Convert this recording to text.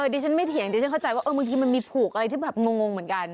ดิฉันไม่เถียงดิฉันเข้าใจว่าบางทีมันมีผูกอะไรที่แบบงงเหมือนกัน